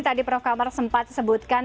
tadi prof kamar sempat sebutkan